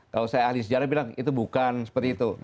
kalau saya ahli sejarah bilang itu bukan seperti itu